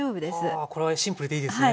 ああこれはシンプルでいいですね。